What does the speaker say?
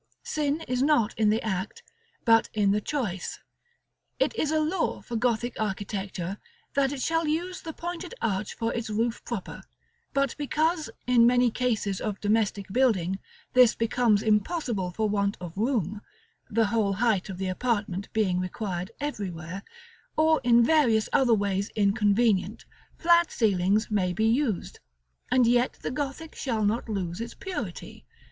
Sin is not in the act, but in the choice. It is a law for Gothic architecture, that it shall use the pointed arch for its roof proper; but because, in many cases of domestic building, this becomes impossible for want of room (the whole height of the apartment being required everywhere), or in various other ways inconvenient, flat ceilings may be used, and yet the Gothic shall not lose its purity.